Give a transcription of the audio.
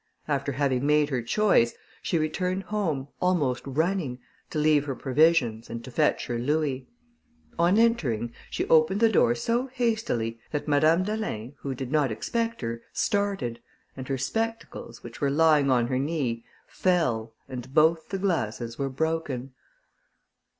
After having made her choice, she returned home, almost running, to leave her provisions, and to fetch her louis. On entering, she opened the door so hastily, that Madame d'Alin, who did not expect her, started, and her spectacles, which were lying on her knee, fell, and both the glasses were broken.